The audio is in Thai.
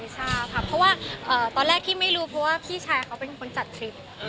ใช่ค่ะเพราะว่าตอนแรกที่ไม่รู้เพราะว่าพี่ชายเขาเป็นคนจัดคลิป